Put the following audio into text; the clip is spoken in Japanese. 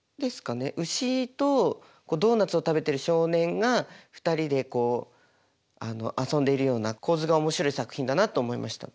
牛とドーナツを食べている少年が２人でこう遊んでいるような構図が面白い作品だなと思いました。